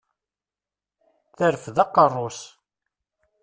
Terfed aqerru-s.